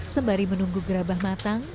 sembari menunggu gerabah matang